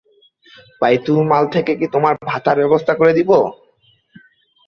বাইতুল মাল থেকে কি তোমার ভাতার ব্যবস্থা করে দিব?